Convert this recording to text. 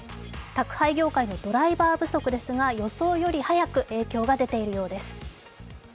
宅配業界のドライバー不足ですが、予想よりも早く影響が出ているようです。